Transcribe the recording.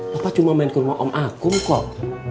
papa cuma main ke rumah om akum kok